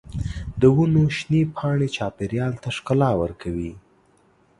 د ونو شنې پاڼې چاپېریال ته ښکلا ورکوي.